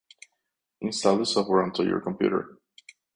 Install the software onto your computer